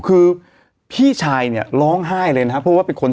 คือพี่ชายเนี่ยร้องไห้เลยนะครับเพราะว่าเป็นคน